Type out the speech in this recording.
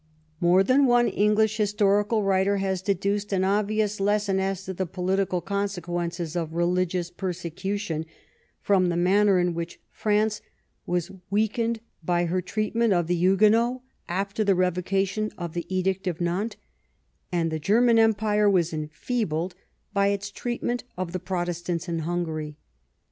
More than one English historical writer has deduced an obvious lesson as to the political consequences of religious persecution from the man ner in which France was weakened by her treatment of the Huguenots after the revocation of the edict of Nantes, and the German empire was enfeebled by its treatment of the Protestants in Hungary.